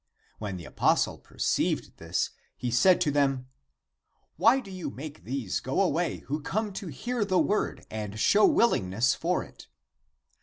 When the apostle perceived this, he said to them, " Why do you make these go away who come to hear the word and show willingness for it?